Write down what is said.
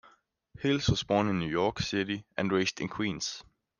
Hales was born in New York City and raised in Queens.